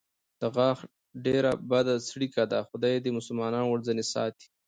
د غاښ ډېره بده څړیکه ده، خدای دې مسلمان ورځنې ساتي.